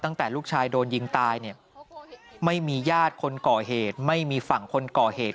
ตั้งแต่ลูกชายโดนยิงตายเนี่ยไม่มีญาติคนก่อเหตุไม่มีฝั่งคนก่อเหตุ